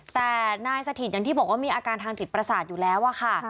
แต่นายสถิตอย่างที่บอกว่ามีอาการทางจิตประสาทอยู่แล้วอะค่ะ